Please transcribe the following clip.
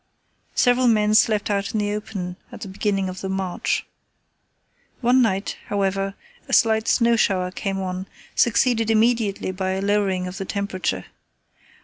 Several men slept out in the open at the beginning of the march. One night, however, a slight snow shower came on, succeeded immediately by a lowering of the temperature.